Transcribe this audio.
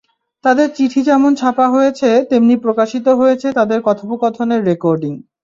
তাঁদের চিঠি যেমন ছাপা হয়েছে, তেমনি প্রকাশিত হয়েছে তাঁদের কথোপকথনের রেকর্ডিং।